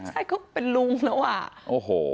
ใช่เขาเป็นลุงแล้วอ่ะโอ้โห